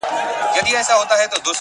• خلکو آباد کړل خپل وطنونه ,